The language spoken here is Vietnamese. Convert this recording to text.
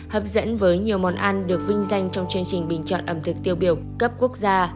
hấp dẫn với nhiều món ăn được vinh danh trong chương trình bình chọn ẩm thực tiêu biểu cấp quốc gia